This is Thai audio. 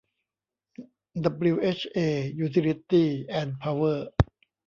ดับบลิวเอชเอ ยูทิลิตี้ส์ แอนด์ พาวเวอร์